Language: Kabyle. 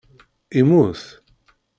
Immut?